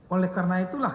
oleh karena itulah